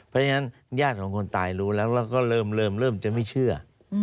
เพราะฉะนั้นญาติของคนตายรู้แล้วแล้วก็เริ่มจะไม่เชื่อ